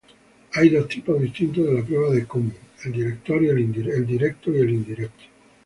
Hay dos tipos distintos de la prueba de Coombs: el directo y el indirecto.